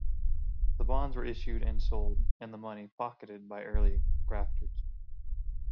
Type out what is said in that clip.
The bonds were issued and sold and the money pocketed by early grafters.